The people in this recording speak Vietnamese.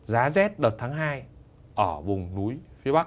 giá rét đợt tháng hai ở vùng núi phía bắc